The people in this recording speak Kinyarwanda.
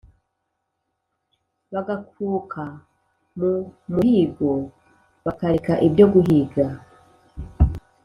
bagakuka mu muhigo: bakareka ibyo guhiga